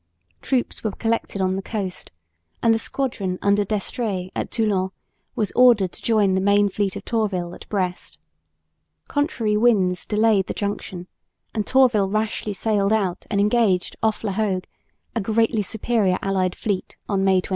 Troops were collected on the coast, and the squadron under D'Estrées at Toulon was ordered to join the main fleet of Tourville at Brest. Contrary winds delayed the junction; and Tourville rashly sailed out and engaged off La Hogue a greatly superior allied fleet on May 29.